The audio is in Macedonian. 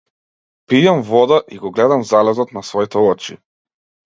Пијам вода, и го гледам залезот на своите очи.